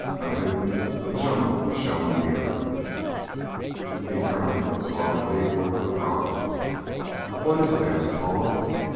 Nothing but jungle shown here!" He frowned absorbedly over the problem. "What is it?" asked Paula.